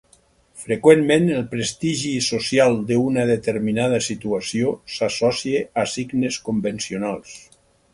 Freqüentment el prestigi social d'una determinada situació s'associa a signes convencionals.